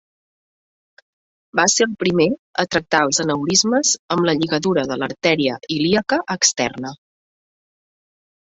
Va ser el primer a tractar els aneurismes amb la lligadura de l'artèria ilíaca externa.